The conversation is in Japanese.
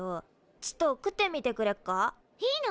ちっと食ってみてくれっか？いいの？